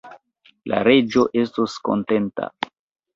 La Reĝo estos kontenta!